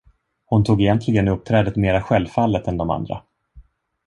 Hon tog egentligen uppträdet mera självfallet än de andra.